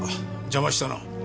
邪魔したな。